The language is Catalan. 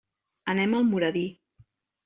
Anem a Almoradí.